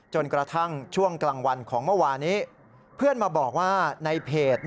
จนกระทั่งช่วงกลางวันของเมื่อวานี้เพื่อนมาบอกว่าในเพจ